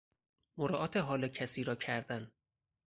مراعات حال کسی را کردن